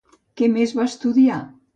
Què més va estudiar?